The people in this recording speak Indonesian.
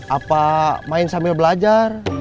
apa main sambil belajar